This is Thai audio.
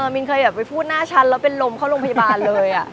มินเคยไปพูดหน้าฉันแล้วเป็นลมเข้าโรงพยาบาลเลย